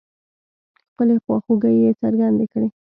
خپلې خواخوږۍ يې څرګندې کړې.